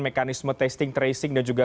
mekanisme testing tracing dan juga